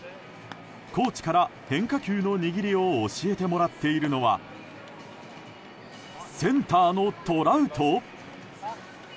コーチから変化球の握りを教えてもらっているのはセンターのトラウト？